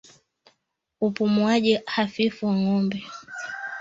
Upumuaji hafifu wa ngombe